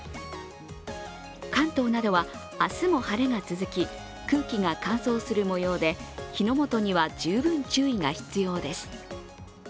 関東などは明日も晴れが続き空気が乾燥するもようで火の元には十分注意が必要です。